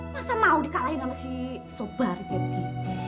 masa mau dikalahin sama si sobari lagi